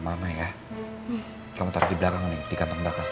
mana ya kamu tarik di belakang nih di kantong belakang